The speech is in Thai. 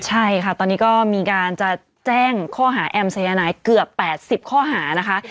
ใช่ค่ะตอนนี้ก็มีการจะแจ้งข้อหาแอมสายนายเกือบ๘๐ข้อหานะคะ